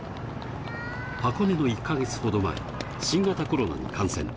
箱根の１ヶ月ほど前、新型コロナに感染。